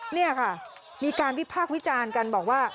นี่ค่ะมีการวิพากษ์วิจารณ์กันบอกว่า